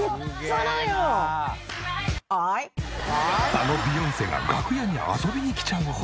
あのビヨンセが楽屋に遊びに来ちゃうほど。